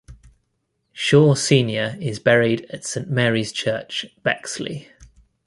Shaw Senior is buried at Saint Mary's Church, Bexley.